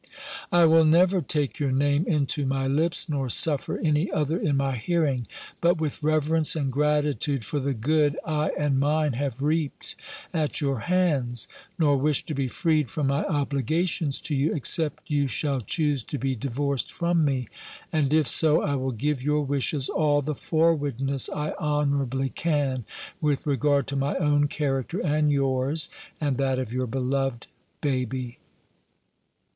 "I will never take your name into my lips, nor suffer any other in my hearing, but with reverence and gratitude, for the good I and mine have reaped at your hands: nor wish to be freed from my obligations to you, except you shall choose to be divorced from me; and if so I will give your wishes all the forwardness I honourably can, with regard to my own character and yours, and that of your beloved baby.